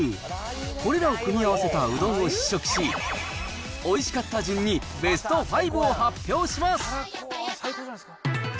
これらを組み合わせたうどんを試食し、おいしかった順にベスト５を発表します。